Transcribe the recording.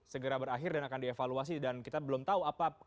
segera berakhir dan akan dievaluasi dan kita belum tahu apa